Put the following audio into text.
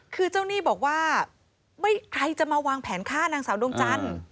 คือเจ้าหนี้บอกว่าใครจะมาวางแผนฆ่านางสาวดวงจันทร์